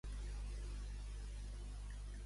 Qui es creu que havia sigut familiar de Brancos?